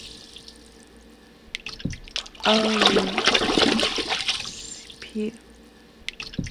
Earlier spellings have included 'Mortesna', 'Mortennam', and a patois version, 'Moutone'.